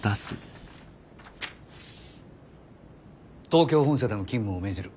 東京本社での勤務を命じる。